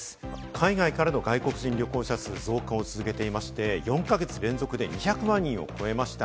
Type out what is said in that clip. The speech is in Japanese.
海外からの外国人旅行者数が増加を続けていまして、４か月連続で２００万人を超えました。